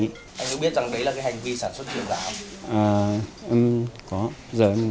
anh có biết rằng đấy là cái hành vi sản xuất trường giả không